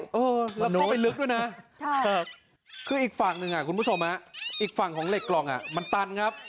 แล้วเข้าไปลึกด้วยนะคืออีกฝั่งหนึ่งคุณผู้ชมอีกฝั่งของเหล็กกล่องมันตันครับ